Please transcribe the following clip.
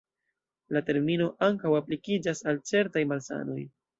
La termino ankaŭ aplikiĝas al certaj malsanoj.